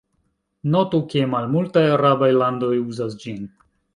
Notu, ke malmultaj arabaj landoj uzas ĝin.